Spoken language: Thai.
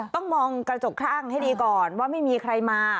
ต้องมองกระจกข้างให้ดีก่อนว่าไม่มีใครมา